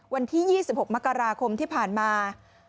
วันที่๒๖มกราคมที่ผ่านมา